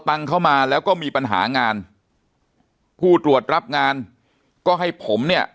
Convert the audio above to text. ตังค์เข้ามาแล้วก็มีปัญหางานผู้ตรวจรับงานก็ให้ผมเนี่ย